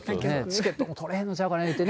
チケットも取れへんのじゃないかなって。